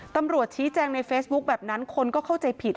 ตำรวจชี้แจงในเฟซบุ๊คแบบนั้นคนก็เข้าใจผิด